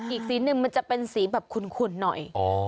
อีกสีหนึ่งมันจะเป็นสีแบบขุ่นหน่อย